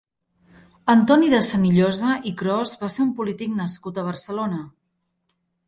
Antoni de Senillosa i Cros va ser un polític nascut a Barcelona.